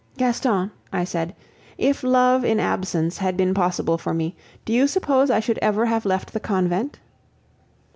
"Gaston," I said, "if love in absence had been possible for me, do you suppose I should ever have left the convent?"